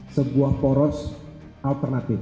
sebuah poros alternatif